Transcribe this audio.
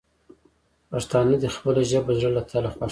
پښتانه دې خپله ژبه د زړه له تله خوښه کړي.